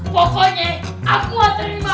pokoknya aku yang terima